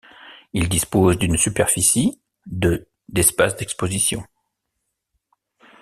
Il dispose d’une superficie de d’espaces d’exposition.